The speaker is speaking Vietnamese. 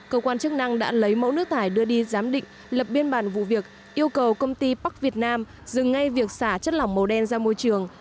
cơ quan chức năng đã lấy mẫu nước thải đưa đi giám định lập biên bản vụ việc yêu cầu công ty bắc việt nam dừng ngay việc xả chất lỏng màu đen ra môi trường